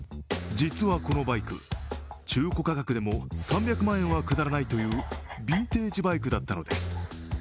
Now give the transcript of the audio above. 実はこのバイク、中古価格でも３００万円は下らないというビンテージバイクだったのです。